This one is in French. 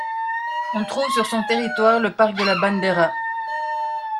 On trouve sur son territoire le parc de La Bandera.